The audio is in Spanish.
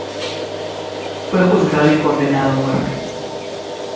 Fue juzgado y condenado a muerte.